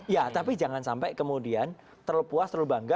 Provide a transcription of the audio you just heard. ya tapi jangan sampai kemudian terlalu puas terlalu bangga